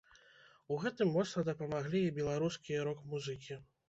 У гэтым моцна дапамаглі і беларускія рок-музыкі.